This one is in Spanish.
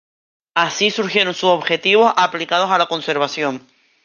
Así surgieron sus objetivos aplicados a la conservación.